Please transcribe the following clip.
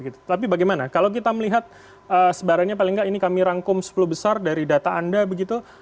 tapi bagaimana kalau kita melihat sebarannya paling tidak ini kami rangkum sepuluh besar dari data anda begitu